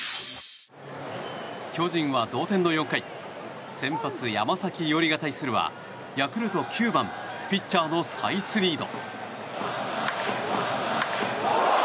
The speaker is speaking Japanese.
巨人は同点の４回先発、山崎伊織が対するはヤクルト９番ピッチャーのサイスニード。